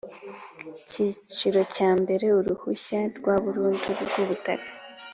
Icyiciro cya mbere Uruhushya rwa burundu rwubutaka